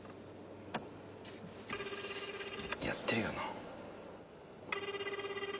やってるよな？